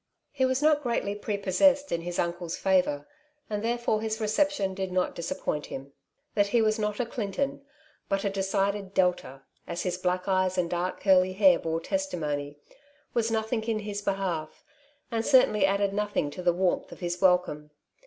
He was not greatly prepossessed in his uncle's favour, and therefore his reception did not disappoint him. That he was not a Clinton, but a decided Delta — as his black eyes and dark curly hair bore testimony — was nothing in his behalf, and certainly added nothing to the warmth of his welcome.